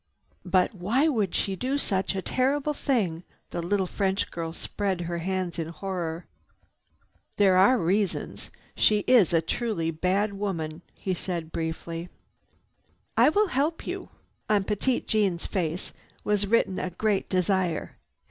"But why would she do such a terrible thing?" The little French girl spread her hands in horror. "There are reasons. She is a truly bad woman," he said briefly. "I will help you." On Petite Jeanne's face was written a great desire.